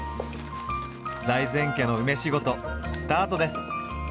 財前家の梅仕事スタートです。